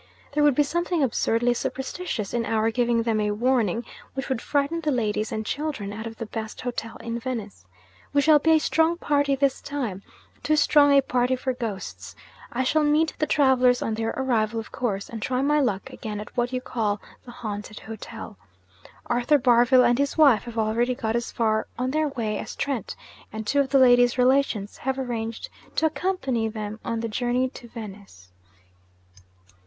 There would be something absurdly superstitious in our giving them a warning which would frighten the ladies and children out of the best hotel in Venice. We shall be a strong party this time too strong a party for ghosts! I shall meet the travellers on their arrival, of course, and try my luck again at what you call the Haunted Hotel. Arthur Barville and his wife have already got as far on their way as Trent; and two of the lady's relations have arranged to accompany them on the journey to Venice.'